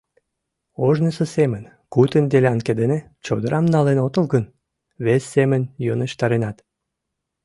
— Ожнысо семын кутын делянке дене чодырам налын отыл гын, вес семын йӧнештаренат.